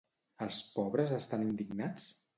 Els pobres estan indignats?